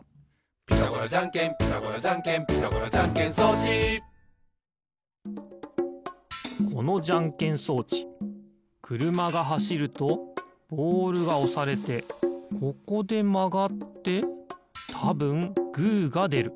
「ピタゴラじゃんけんピタゴラじゃんけん」「ピタゴラじゃんけん装置」このじゃんけん装置くるまがはしるとボールがおされてここでまがってたぶんグーがでる。